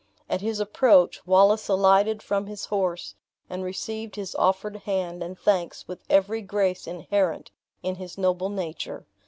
At his approach, Wallace alighted form his horse, and received his offered hand and thanks with every grace inherent in his noble nature.